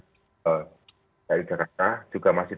dry nacelle di jakarta juga masih